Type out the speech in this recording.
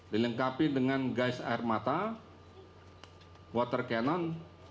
dilengkapi dengan guys air mata water cannon